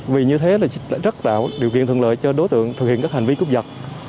vì như thế rất tạo điều kiện thuận lợi cho đối tượng thực hiện các hành vi cướp giật